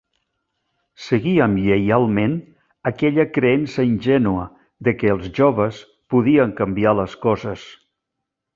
Seguíem lleialment aquella creença ingènua de que els joves podien canviar les coses.